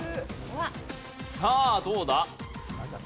さあどうだ？